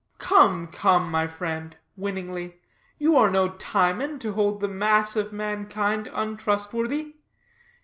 Come, come, my friend," winningly, "you are no Timon to hold the mass of mankind untrustworthy.